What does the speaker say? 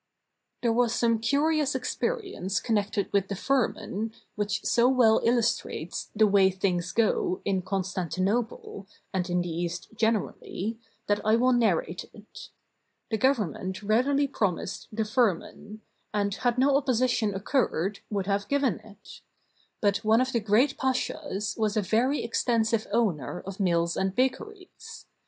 ] There was some curious experience connected with the firman, which so well illustrates "the way things go" in Constantinople, and in the East generally, that I will narrate it. The Government readily promised the firman; and, had no opposition occurred, would have given it. But one of the great pashas was a very extensive owner of mills and bakeries.